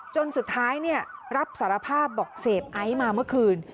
จนสุดท้ายรับสารภาพบอกเสพไอซ์มาเมื่อคืน